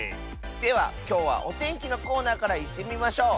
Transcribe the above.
ではきょうはおてんきのコーナーからいってみましょう。